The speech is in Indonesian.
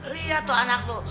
liat tuh anak tuh